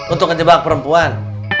untuk kejebak perempuan